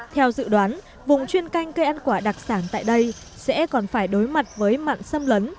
theo dự đoán vùng chuyên canh cây ăn quả đặc sản tại đây sẽ còn phải đối mặt với mặn xâm lấn